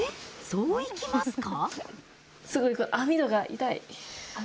そういきますか？